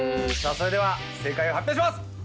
それでは正解を発表します